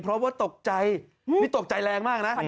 เพราะว่าตกใจนี่ตกใจแรงมากนะ